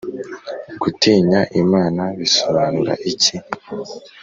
Gutinya Imana bisobanura iki